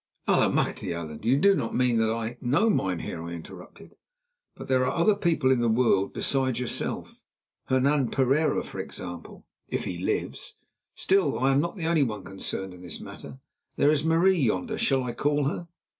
"Allemachte! Allan, you do not mean that I—" "No, mynheer," I interrupted; "but there are other people in the world besides yourself—Hernan Pereira, for example, if he lives. Still, I am not the only one concerned in this matter. There is Marie yonder. Shall I call her?"